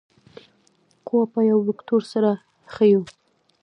قوه په یو وکتور سره ښیو.